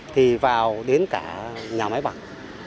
thì vào đến cả nhà máy bằng